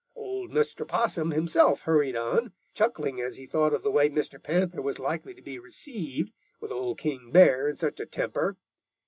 "Old Mr. Possum himself hurried on, chuckling as he thought of the way Mr. Panther was likely to be received, with Old King Bear in such a temper.